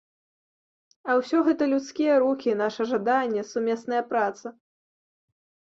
А ўсё гэта людскія рукі, наша жаданне, сумесная праца.